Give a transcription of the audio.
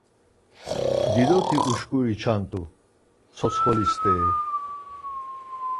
Didoti uşkuri çant̆u, tsotsxoli steri.